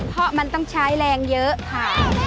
เพราะมันต้องใช้แรงเยอะค่ะ